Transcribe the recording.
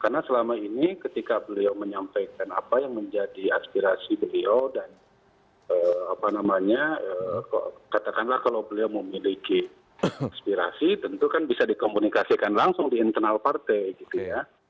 karena selama ini ketika beliau menyampaikan apa yang menjadi aspirasi beliau dan katakanlah kalau beliau memiliki aspirasi tentu kan bisa dikomunikasikan langsung di internal partai